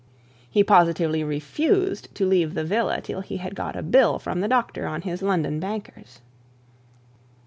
He positively refused to leave the villa till he got a bill from the doctor on his London bankers.